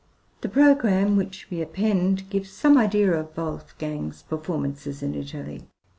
The programme, which we append, gives some idea of Wolfgang's performances in Italy.